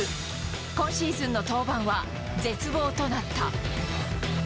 今シーズンの登板は絶望となった。